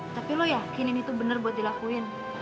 tapi kamu yakin ini benar buat dilakukan